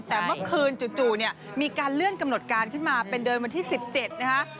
แต่เมื่อคืนจู่เนี่ยมีการเลื่อนกำหนดการขึ้นมาเป็นเดินวันที่๑๗นะคะ